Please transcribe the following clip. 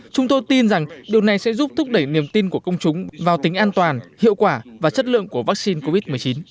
chúng tôi tin rằng điều này sẽ giúp thúc đẩy niềm tin của công chúng vào tính an toàn hiệu quả và chất lượng của vaccine covid một mươi chín